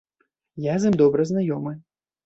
Я з ім добра знаёмы.